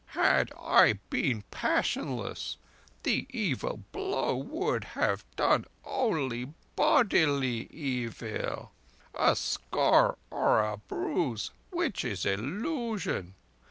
"Had I been passionless, the evil blow would have done only bodily evil—a scar, or a bruise—which is illusion.